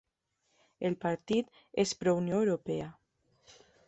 El partit és pro-Unió Europea.